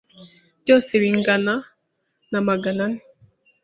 Byose bingana na Magana ane.